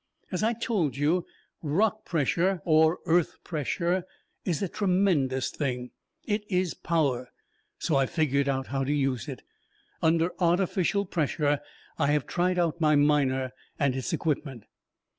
"As I told you, rock pressure, or earth pressure, is a tremendous thing. It is power, so I figured how to use it. Under artificial pressure, I have tried out my Miner and its equipment.